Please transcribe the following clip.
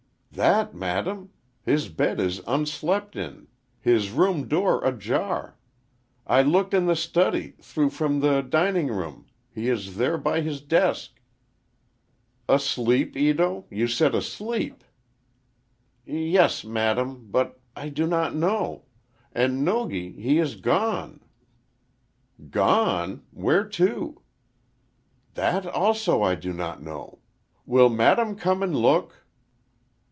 "That, madam. His bed is unslept in. His room door ajar. I looked in the study—through from the dining room—he is there by his desk—" "Asleep, Ito—you said asleep!" "Yes—madam—but—I do not know. And Nogi—he is gone." "Gone! Where to?" "That also, I do not know. Will madam come and look?"